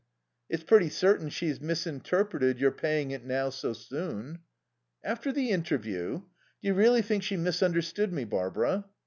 "It's pretty certain she's misinterpreted your paying it now so soon." "After the interview? Do you really think she misunderstood me, Barbara?"